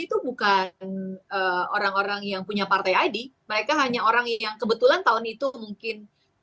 itu bukan orang orang yang punya partai id mereka hanya orang yang kebetulan tahun itu mungkin